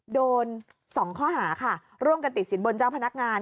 โดน๒ข้อหาค่ะร่วมกันติดสินบนเจ้าพนักงาน